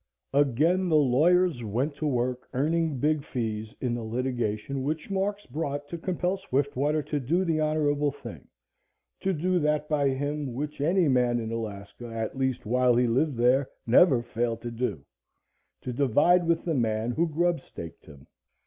Again the lawyers went to work earning big fees in the litigation which Marks brought to compel Swiftwater to do the honorable thing to do that by him which any man in Alaska, at least while he lived there, never failed to do to divide with the man who grubstaked him.